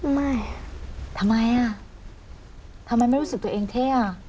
ไม่ทำไมอ่ะทำไมไม่รู้สึกตัวเองเท่อ่ะ